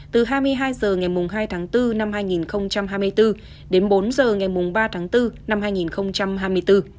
từ hai mươi hai h ngày hai tháng bốn năm hai nghìn hai mươi bốn đến bốn h ngày ba tháng bốn năm hai nghìn hai mươi bốn